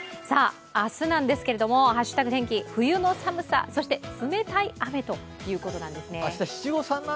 明日なんですけれども「＃天気」、冬の寒さ、そして冷たい雨ということなんですね。